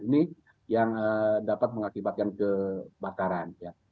ini yang dapat mengakibatkan kebakaran